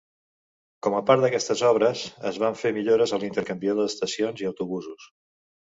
Com a part d'aquestes obres, es van fer millores a l'intercanviador d'estacions i autobusos.